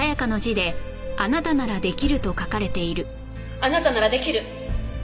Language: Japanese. あなたなら出来る。